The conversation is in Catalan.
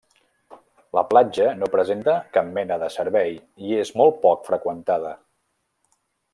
La platja no presenta cap mena de servei i és molt poc freqüentada.